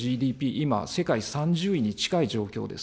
今、世界３０位に近い状況です。